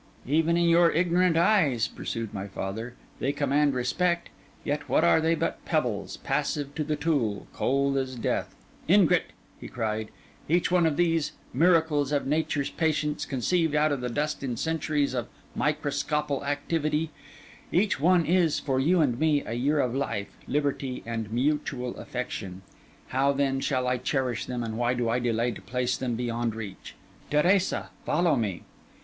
'Even in your ignorant eyes,' pursued my father, 'they command respect. Yet what are they but pebbles, passive to the tool, cold as death? Ingrate!' he cried. 'Each one of these—miracles of nature's patience, conceived out of the dust in centuries of microscopical activity, each one is, for you and me, a year of life, liberty, and mutual affection. How, then, should I cherish them! and why do I delay to place them beyond reach! Teresa, follow me.